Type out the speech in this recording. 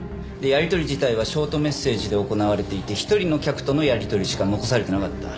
やり取り自体はショートメッセージで行われていて１人の客とのやり取りしか残されていなかった。